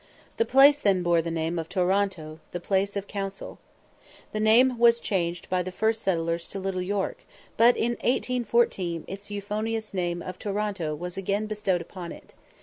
The place then bore the name of Toronto the Place of Council. The name was changed by the first settlers to Little York, but in 1814 its euphonious name of Toronto was again bestowed upon it.